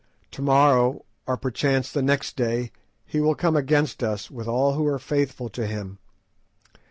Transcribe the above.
To morrow, or perchance the next day, he will come against us with all who are faithful to him.